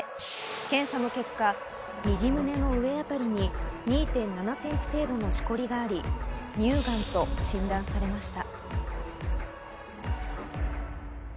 検査の結果、右胸の上あたりに２．７ｃｍ程度のしこりがあり、乳がんと診断されました。